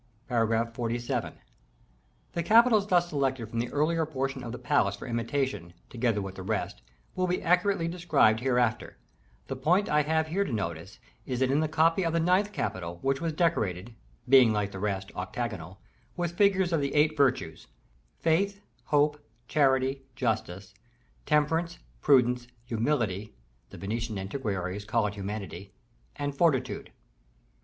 § XLVII. The capitals thus selected from the earlier portion of the palace for imitation, together with the rest, will be accurately described hereafter; the point I have here to notice is in the copy of the ninth capital, which was decorated (being, like the rest, octagonal) with figures of the eight Virtues: Faith, Hope, Charity, Justice, Temperance, Prudence, Humility (the Venetian antiquaries call it Humanity!), and Fortitude.